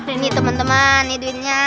ini temen temen nih duitnya